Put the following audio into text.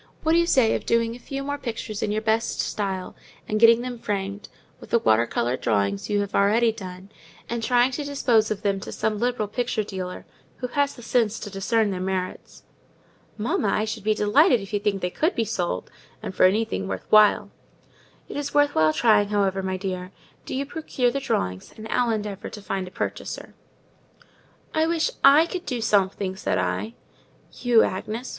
What do you say to doing a few more pictures in your best style, and getting them framed, with the water coloured drawings you have already done, and trying to dispose of them to some liberal picture dealer, who has the sense to discern their merits?" "Mamma, I should be delighted if you think they could be sold; and for anything worth while." "It's worth while trying, however, my dear: do you procure the drawings, and I'll endeavour to find a purchaser." "I wish I could do something," said I. "You, Agnes!